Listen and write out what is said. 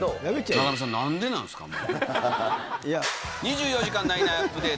中山さん、なんでなんですかね？